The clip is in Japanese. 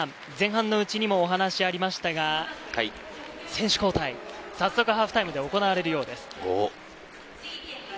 前半のうちにお話ありましたが、選手交代、早速ハーフタイムで行われるようです。